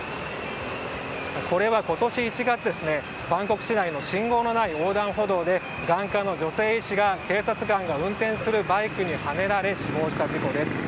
これは、今年１月バンコク市内の、信号のない横断歩道で眼下の女性医師が警察官が運転するバイクにはねられ死亡した事故です。